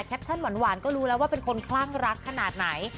หวานก็รู้แล้วว่าเป็นคนคลั่งรักขนาดไหน